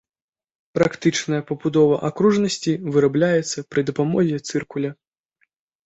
Практычная пабудова акружнасці вырабляецца пры дапамозе цыркуля.